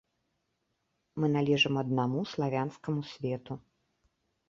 Мы належым аднаму славянскаму свету.